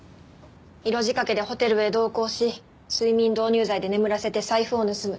色仕掛けでホテルへ同行し睡眠導入剤で眠らせて財布を盗む。